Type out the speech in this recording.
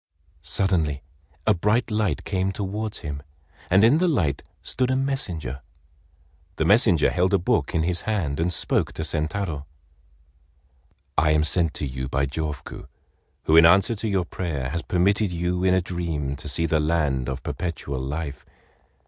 Suddenly a bright light came towards him, and in the light stood a messenger. The messenger held a book in his hand, and spoke to Sentaro: "I am sent to you by Jofuku, who in answer to your prayer, has permitted you in a dream to see the land of Perpetual Life.